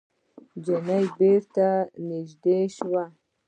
نجلۍ بېرته نږدې شوه.